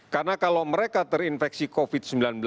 karena kalau mereka terinfeksi covid sembilan belas